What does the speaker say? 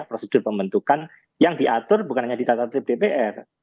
prosedur pembentukan yang diatur bukan hanya di tata tertib dpr